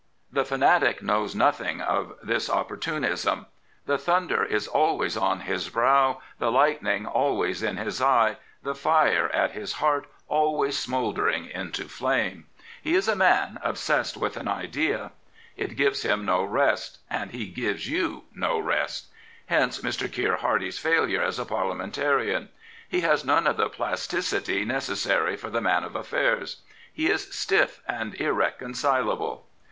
The fanatic knows nothing of this opportunism. The thunder is always on his brow, the lightning always in his eye, the fire at his heart always smouldering into flame. He is a man obse^d with an idea. It gives him no rest, and he gives you no rest. Hence Mr. Keir Hardie's failure as a Parliamentarian. He has none of the pl^ticity necessary for the man of affairs. He is stifF and irreconcilable.